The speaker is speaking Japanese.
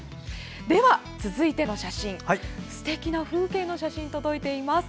では続いてすてきな風景の写真が届いています。